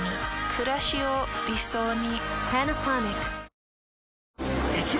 くらしを理想に。